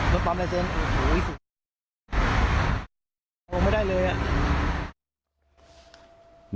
ต้องตอบราเซ็นต์โอ้โหไม่ได้เลยอ่ะ